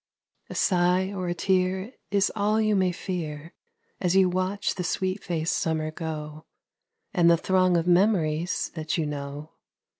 A sigh or a tear Is all you may fear, As you watch the sweet faced summer go, And the throng of memories that you know.